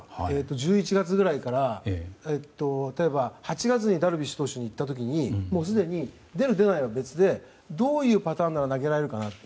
１１月ぐらいから例えば８月にダルビッシュ投手に言った時にもうすでに、出る出ないは別でどういうパターンなら投げられるかなって。